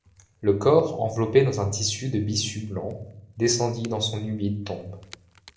Le corps, enveloppé dans un tissu de byssus blanc, descendit dans son humide tombe.